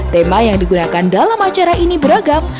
tema yang digunakan dalam acara ini beragam